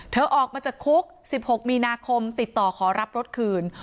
ออกมาจากคุก๑๖มีนาคมติดต่อขอรับรถคืน